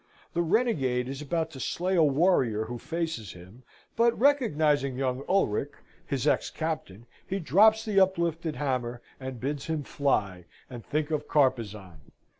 The renegade is about to slay a warrior who faces him, but recognising young Ulric, his ex captain, he drops the uplifted hammer, and bids him fly, and think of Carpezan.